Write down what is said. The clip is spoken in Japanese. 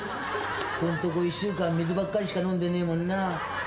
ここんとこ１週間水ばっかりしか飲んでねえもんな。